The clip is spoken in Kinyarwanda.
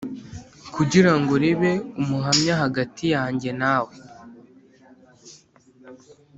Kugira ngo ribe umuhamya hagati yanjye nawe